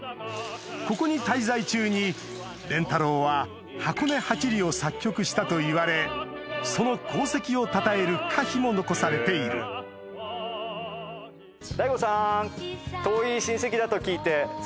ここに滞在中に廉太郎は『箱根八里』を作曲したといわれその功績をたたえる歌碑も残されているぜひぜひ。